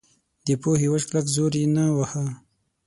د پوهې وچ کلک زور یې نه واهه.